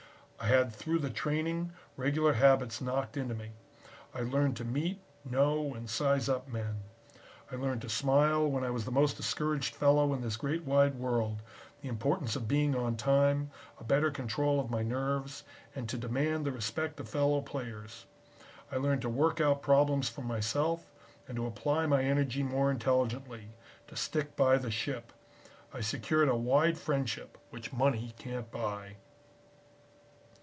I had through the training regular habits knocked into me. I learned to meet, know and size up men. I learned to smile when I was the most discouraged fellow in this great wide world, the importance of being on time, a better control of my nerves, and to demand the respect of fellow players. I learned to work out problems for myself and to apply my energy more intelligently, to stick by the ship. I secured a wide friendship which money can't buy."